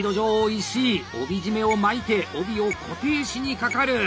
石井帯締めを巻いて帯を固定しにかかる！